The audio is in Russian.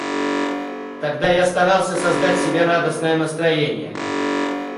Тогда я старался создать себе радостное настроение.